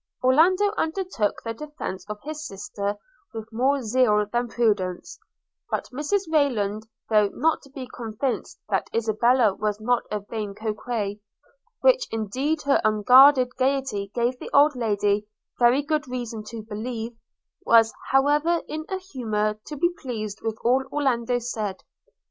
Orlando undertook the defence of his sister with more zeal than prudence; but Mrs Rayland, though not to be convinced that Isabella was not a vain coquet, which indeed her unguarded gaiety gave the old Lady very good reason to believe, was however in a humour to be pleased with all Orlando said.